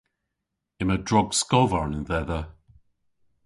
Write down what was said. Yma drog skovarn dhedha.